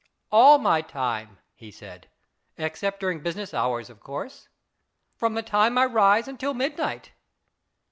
" All my time," he said. " Except during business hours, of course." " From the time I rise until midnight."